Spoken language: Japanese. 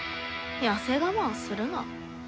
痩せ我慢するな。